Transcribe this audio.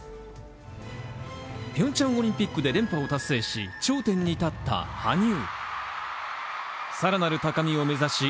ピョンチャンオリンピックで連覇を達成し頂点に立った羽生。